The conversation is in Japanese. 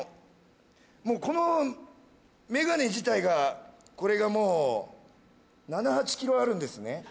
もうこのメガネ自体がこれがもう７８ｋｇあるんですね